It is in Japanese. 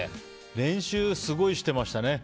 練習、すごいしてましたね。